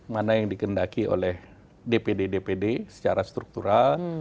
mana yang dikendaki oleh dpd dpd secara struktural